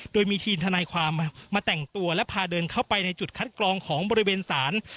โดยมีทีมทนายความมาแต่งตัวและพาเดินเข้าไปในจุดคัดกรองของบริเวณศาล